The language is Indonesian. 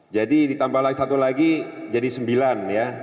jadi ditambah satu lagi jadi sembilan ya